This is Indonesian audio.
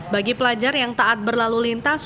bagi pelajar yang taat berlalu lintas